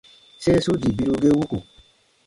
Sere su dii biru ge wuku.